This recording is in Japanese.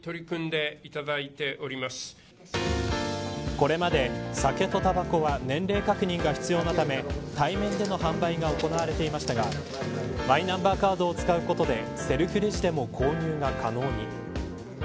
これまで酒とたばこは年齢確認が必要なため対面での販売が行われていましたがマイナンバーカードを使うことでセルフレジでも購入が可能に。